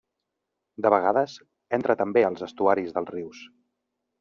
De vegades, entra també als estuaris dels rius.